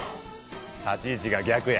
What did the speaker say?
立ち位置が逆や。